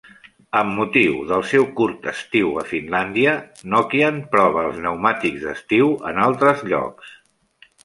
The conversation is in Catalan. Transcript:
Amb motiu del seu curt estiu a Finlàndia, Nokian prova els pneumàtics d'estiu en altres llocs.